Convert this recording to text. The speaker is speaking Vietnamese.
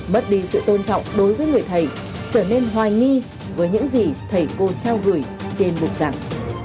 mất đi sự tôn trọng đối với người thầy trở nên hoài nghi với những gì thầy cô trao gửi trên bục giảng